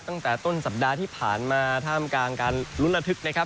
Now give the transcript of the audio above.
ตั้งแต่ต้นสัปดาห์ที่ผ่านมาท่ามกลางการลุ้นระทึกนะครับ